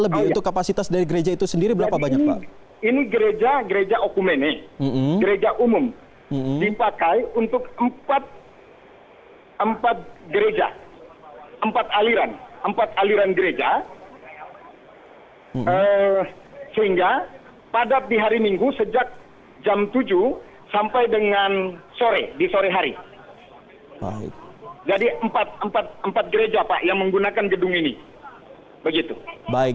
empat gereja empat aliran gereja sehingga padat di hari minggu sejak jam tujuh sampai dengan sore di sore hari jadi empat gereja yang menggunakan gedung ini